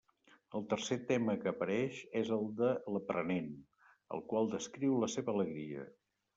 El tercer tema que apareix és el de l'aprenent, el qual descriu la seva alegria.